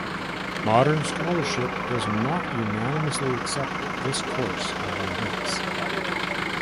Modern scholarship does not unanimously accept this course of the events.